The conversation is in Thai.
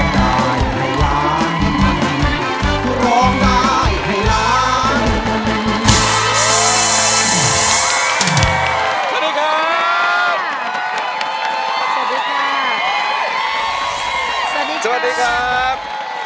สวัสดีครับ